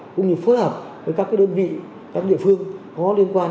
cũng như phối hợp với các đơn vị các địa phương có liên quan